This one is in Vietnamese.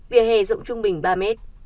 vìa hè rộng trung bình ba mét